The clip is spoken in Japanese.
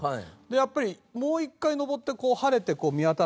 やっぱりもう１回登ってこう晴れて見渡す。